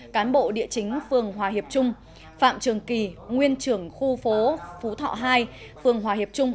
cán bộ địa chính phường hòa hiệp trung phạm trường kỳ nguyên trưởng khu phố phú thọ hai phường hòa hiệp trung